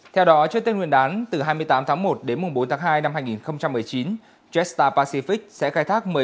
theo đó trước tên nguyên đán từ hai mươi tám tháng một đến bốn tháng hai năm hai nghìn một mươi chín jetstar pacific sẽ khai thác